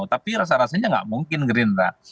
tapi rasa rasanya nggak mungkin gerindra